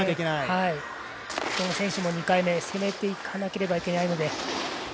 どの選手も２回目攻めていかないといけないので。